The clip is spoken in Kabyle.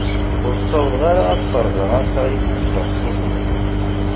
Ur sawḍeɣ ara ad feṛzeɣ ansa d-itteffeɣ ṣṣut-nni.